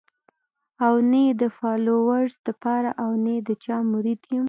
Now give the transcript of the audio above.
او نۀ ئې د فالوورز د پاره او نۀ د چا مريد يم